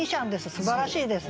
すばらしいですね。